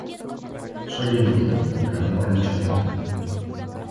Soy inútil, pero no por mucho tiempo.